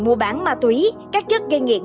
mua bán ma túy các chất gây nghiện